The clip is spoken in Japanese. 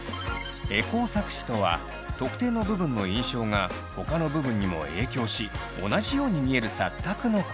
エコー錯視とは特定の部分の印象がほかの部分にも影響し同じように見える錯覚のこと。